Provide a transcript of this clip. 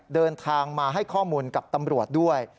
เดินทางมาให้ข้อมูลกับตำรวจด้วย